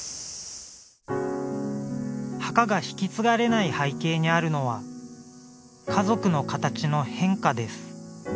墓が引き継がれない背景にあるのは家族の形の変化です。